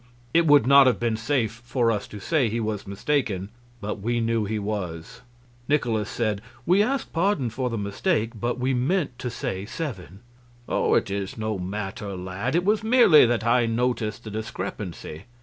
It would not have been safe for us to say he was mistaken, but we knew he was. Nikolaus said, "We ask pardon for the mistake, but we meant to say seven." "Oh, it is no matter, lad; it was merely that I noticed the discrepancy.